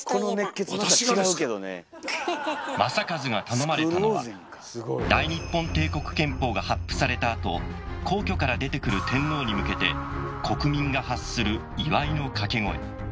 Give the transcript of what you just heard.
私がですか⁉正一が頼まれたのは大日本帝国憲法が発布されたあと皇居から出てくる天皇にむけて国民が発する祝いの掛け声。